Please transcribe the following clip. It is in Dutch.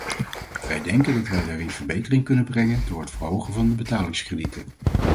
Wij denken dat wij daarin verbetering kunnen brengen door het verhogen van de betalingskredieten.